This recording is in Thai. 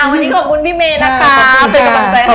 วันนี้ขอบคุณพี่เมย์นะคะ